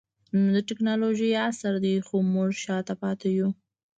نن د ټکنالوجۍ عصر دئ؛ خو موږ شاته پاته يو.